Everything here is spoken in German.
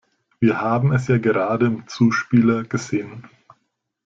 Wir haben es ja gerade im Zuspieler gesehen.